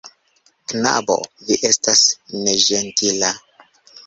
Knabo, vi estas neĝentila.